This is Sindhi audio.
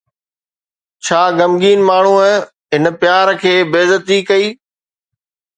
ڇا غمگين ماڻهوءَ هن پيار کي بي عزتي ڪئي؟